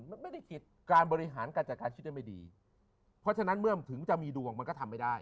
มันไม่ได้ผิดการบริหารการจัดการชีวิตได้ไม่ดีเพราะฉะนั้นเมื่อถึงจะมีดวงมันก็ทำไม่ได้